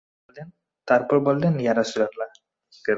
তারপর বললেন, ইয়া রাসূলাল্লাহ!